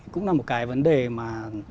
cũng là một cái vấn đề mà